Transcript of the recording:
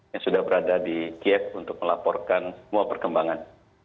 yang sudah berada di kiev untuk melaporkan semua perkembangan